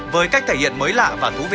với cách thể hiện mới lạ và thú vị